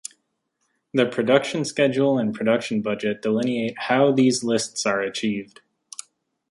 The production schedule and production budget delineate how these lists are achieved.